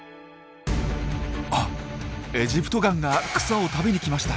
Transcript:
あっエジプトガンが草を食べに来ました。